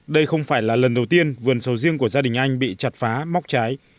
đây không phải là lần đầu tiên vườn sầu riêng của gia đình anh bị chặt phá móc trái